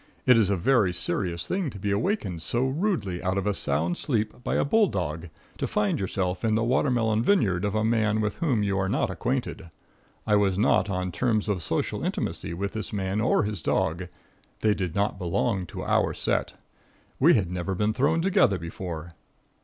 It is a very serious thing to be awakened so rudely out of a sound sleep, by a bull dog, to find yourself in the watermelon vineyard of a man with whom you are not acquainted. I was not on terms of social intimacy with this man or his dog. They did not belong to our set. We had never been thrown together before.